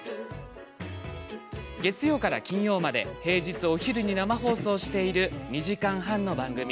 月曜から金曜まで平日お昼に生放送している２時間半の番組。